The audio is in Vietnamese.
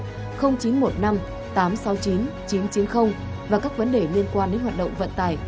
các vấn đề liên quan đến công tác an toàn giao thông chín trăm chín mươi và các vấn đề liên quan đến hoạt động vận tài